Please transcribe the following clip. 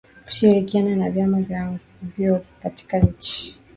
Kushirikiana na vyama na vyuo katika nchi